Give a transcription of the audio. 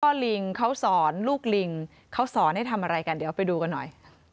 ลิงเขาสอนลูกลิงเขาสอนให้ทำอะไรกันเดี๋ยวไปดูกันหน่อย